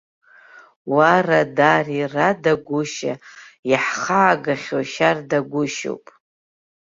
Уа радари, рада гәышьа, иаҳхаагахьоу шьардагәышьоуп.